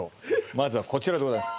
まずはこちらでございます